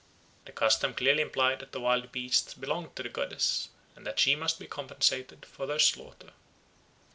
The custom clearly implied that the wild beasts belonged to the goddess, and that she must be compensated for their slaughter.